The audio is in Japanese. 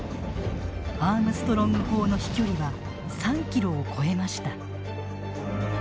アームストロング砲の飛距離は３キロを超えました。